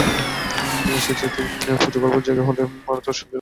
স্ত্রীজাতিকে পুজো করবার জায়গা হল মার ঘর, সতীলক্ষ্ণী গৃহিণীর আসন।